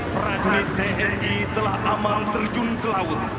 prajurit tni telah amal terjun ke laut